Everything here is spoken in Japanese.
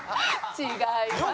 違います。